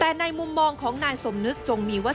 แต่ในมุมมองของนายสมนึกจงมีว่า